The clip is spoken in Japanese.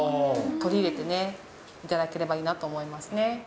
取り入れていただければいいなと思いますね。